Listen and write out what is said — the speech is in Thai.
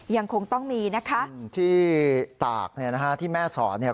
ยังคงต้องมีนะคะที่ตากเนี่ยนะฮะที่แม่สอดเนี่ย